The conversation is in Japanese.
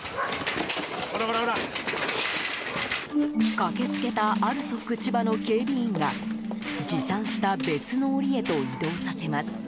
駆け付けたＡＬＳＯＫ千葉の警備員が持参した別の檻へと移動させます。